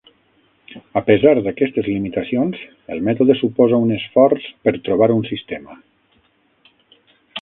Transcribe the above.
A pesar d'aquestes limitacions, el mètode suposa un esforç per trobar un sistema.